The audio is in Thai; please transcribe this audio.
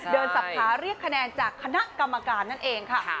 สับขาเรียกคะแนนจากคณะกรรมการนั่นเองค่ะ